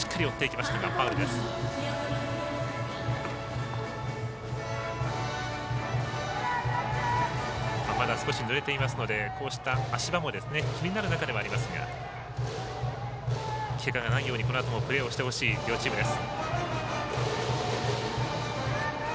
まだ少しぬれているので足場も気になるところではありますがけがないようにこのあともプレーしてほしい両チームです。